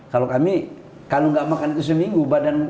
kalau kami kalau nggak makan itu seminggu badan